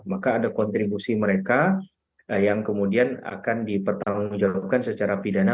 maka ada kontribusi mereka yang kemudian akan dipertanggungjawabkan secara pidana